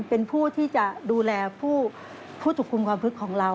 เป็นผู้ที่จะดูแลผู้ถูกคุมความพลึกของเรา